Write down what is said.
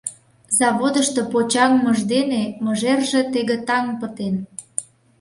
Заводышто почаҥмыж дене мыжерже тегытаҥ пытен.